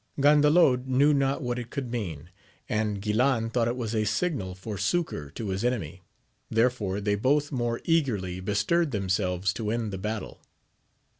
Gandalod knew not what it could mean, and Guilan thought it was a signal for succour to his enemy; therefore they both more eagerly bestirred themselves to end the battle.